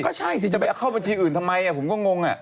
ก็ใช่สิจะไปเข้าบัญชีอื่นทำไมผมก็งง